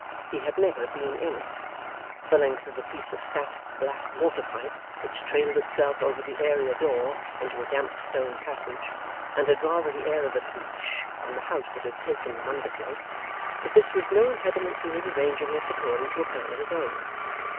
He had never been in it, the length of a piece of fat black water pipe which trailed itself over the area door into a damp stone passage, and had rather the air of a leech on the house that had 'taken' wonderfully; but this was no impediment to his arranging it according to a plan of his own.